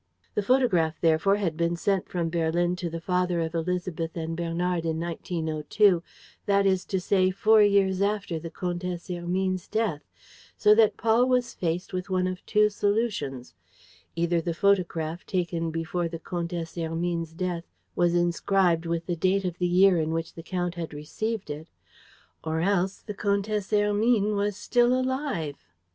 The photograph, therefore, had been sent from Berlin to the father of Élisabeth and Bernard in 1902, that is to say, four years after the Comtesse Hermine's death, so that Paul was faced with one of two solutions: either the photograph, taken before the Comtesse Hermine's death, was inscribed with the date of the year in which the count had received it; or else the Comtesse Hermine was still alive.